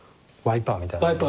ワイパーみたいなやつ。